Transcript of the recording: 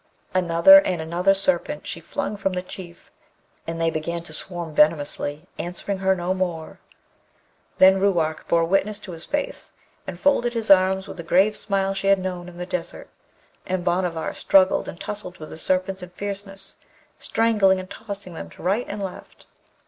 Another and another Serpent she flung from the Chief, and they began to swarm venomously, answering her no more. Then Ruark bore witness to his faith, and folded his arms with the grave smile she had known in the desert; and Bhanavar struggled and tussled with the Serpents in fierceness, strangling and tossing them to right and left.